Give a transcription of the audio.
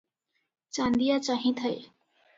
Chandia ଚାହିଁଥାଏ ।